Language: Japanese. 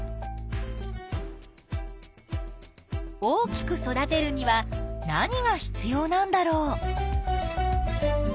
大きく育てるには何が必要なんだろう？